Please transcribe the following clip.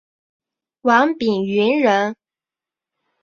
王秉鋆人。